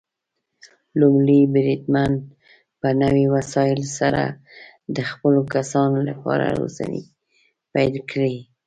لومړی بریدمن په نوي وسايلو سره د خپلو کسانو لپاره روزنې پيل کړي.